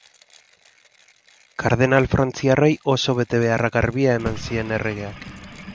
Kardenal frantziarrei oso betebehar garbia eman zien erregeak.